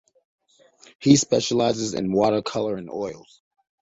He specializes in watercolor and oils.